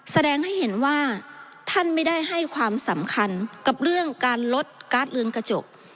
แสดงให้เห็นว่าท่านไม่ได้ให้ความสำคัญกับเรื่องการลดการ์ดเรือนกระจก